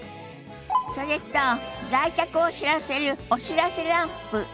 それと来客を知らせるお知らせランプ。